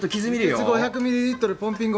輸血５００ミリリットルポンピング